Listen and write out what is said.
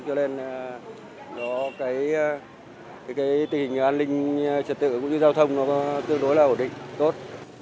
cho nên tình hình an ninh trật tự cũng như giao thông tương đối là ổn định tốt